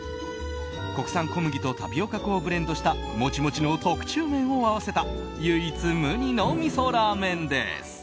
国産小麦とタピオカ粉をブレンドしたモチモチの特注麺を合わせた唯一無二のみそラーメンです。